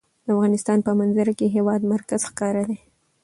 د افغانستان په منظره کې د هېواد مرکز ښکاره ده.